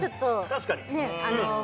確かに！